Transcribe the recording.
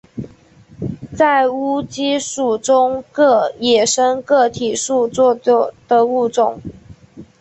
在马鸡属中个野生个体数最多的物种。